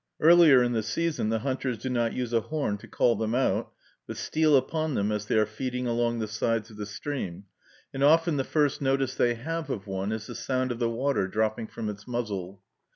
Earlier in the season the hunters do not use a horn to call them out, but steal upon them as they are feeding along the sides of the stream, and often the first notice they have of one is the sound of the water dropping from its muzzle.